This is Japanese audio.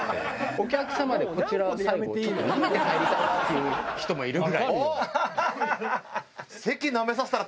お客様でこちら最後「なめて帰りたいわ」っていう人もいるぐらい。